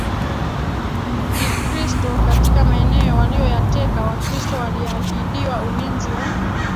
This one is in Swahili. Kikristo katika maeneo waliyoyateka Wakristo waliahidiwa ulinzi wa